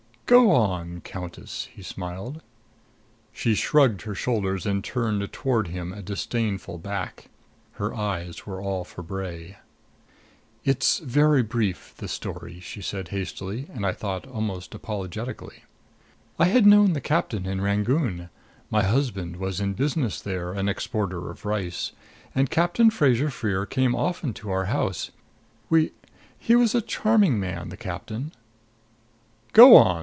"Go on, Countess," he smiled. She shrugged her shoulders and turned toward him a disdainful back. Her eyes were all for Bray. "It's very brief, the story," she said hastily I thought almost apologetically. "I had known the captain in Rangoon. My husband was in business there an exporter of rice and Captain Fraser Freer came often to our house. We he was a charming man, the captain " "Go on!"